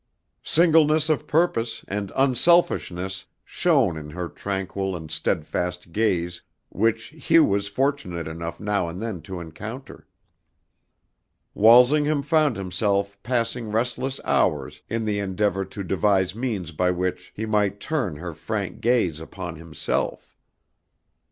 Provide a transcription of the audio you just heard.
Singleness of purpose and unselfishness shone in her tranquil and steadfast gaze which Hugh was fortunate enough now and then to encounter. Walsingham found himself passing restless hours in the endeavor to devise means by which he might turn her frank gaze upon himself.